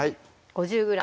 ５０ｇ